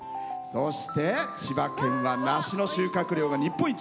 そして、千葉県は梨の収穫量が日本一。